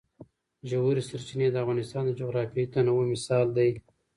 ژورې سرچینې د افغانستان د جغرافیوي تنوع مثال دی.